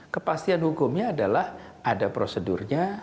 kepastian hukumnya adalah ada prosedurnya